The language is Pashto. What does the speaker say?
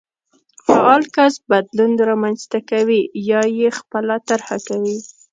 فعال کس بدلون رامنځته کوي يا يې خپله طرحه کوي.